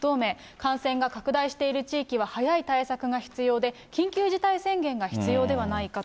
感染が拡大している地域は早い対策が必要で、緊急事態宣言が必要ではないかと。